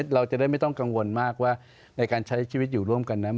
เราจะได้ไม่ต้องกังวลมากว่าในการใช้ชีวิตอยู่ร่วมกันนั้น